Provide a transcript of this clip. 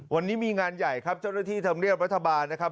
วันนี้มีงานใหญ่ครับเจ้าหน้าที่ธรรมเนียบรัฐบาลนะครับ